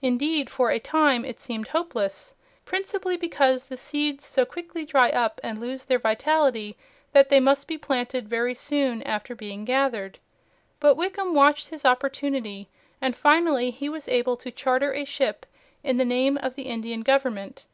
Indeed for a time it seemed hopeless, principally because the seeds so quickly dry up and lose their vitality that they must be planted very soon after being gathered. But Wickham watched his opportunity, and finally he was able to charter a ship in the name of the Indian Government.